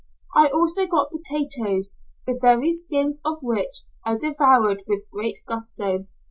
I also got potatoes, the very skins of which I devoured with great gusto.